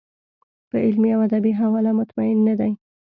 په علمي او ادبي حواله مطمین نه دی.